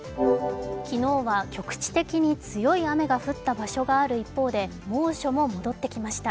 昨日は局地的に強い雨が降った場所がある一方で猛暑も戻ってきました。